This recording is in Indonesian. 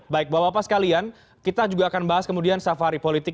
baik bapak bapak sekalian kita juga akan bahas kemudian safari politik